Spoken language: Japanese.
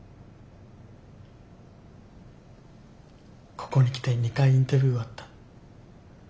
ここに来て２回インタビューあった。